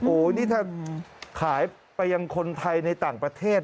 โอ้โหนี่ถ้าขายไปยังคนไทยในต่างประเทศ